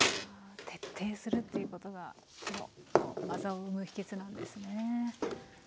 徹底するっていうことがこの技を生む秘けつなんですね。